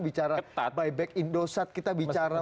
bicara ketat buy back indosat kita bicara